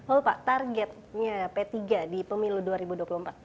oh pak targetnya p tiga di pemilu dua ribu dua puluh empat